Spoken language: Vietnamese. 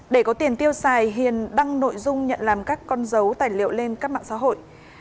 để có tiền tiêu xài hiền đăng nội dung nhận làm các con dấu tài liệu lên các mạng xã hội